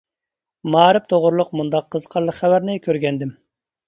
مائارىپ توغرىلىق مۇنداق قىزىقارلىق خەۋەرنى كۆرگەنىدىم.